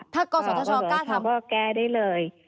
ถ้ากศธชกล้าทำก็แก้ได้เลย